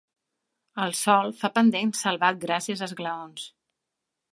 El sòl fa pendent, salvat gràcies a esglaons.